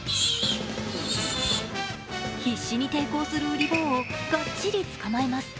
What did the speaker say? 必死に抵抗するうり坊をガッチリ捕まえます。